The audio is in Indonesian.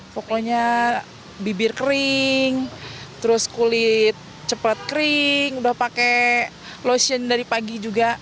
pokoknya bibir kering terus kulit cepat kering udah pakai lotion dari pagi juga